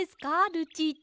ルチータ。